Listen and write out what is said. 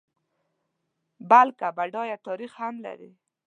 بلکه بډایه تاریخ هم لري.